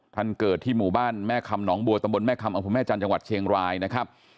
ท่านเกิดที่หมู่บ้านแม่คำหนองบัวตำบลแม่คำอำเภอแม่จันทร์จังหวัดเชียงรายนะครับ